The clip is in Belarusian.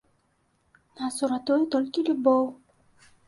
Нас уратуе толькі любоў.